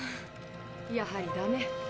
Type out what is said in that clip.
やはりダメ？